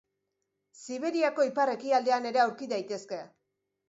Siberiako ipar-ekialdean ere aurki daitezke.